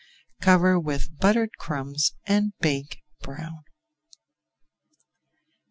Cover with buttered crumbs and bake brown.